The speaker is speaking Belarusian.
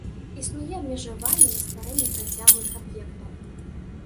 Існуе абмежаванне на стварэнне працяглых аб'ектаў.